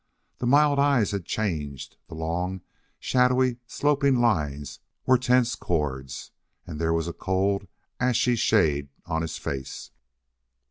The mild eyes had changed; the long, shadowy, sloping lines were tense cords; and there was a cold, ashy shade on his face.